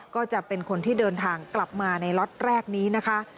ก็จะเป็นคนที่เดินทางกลับมาในล็อตแรกนี้นะคะ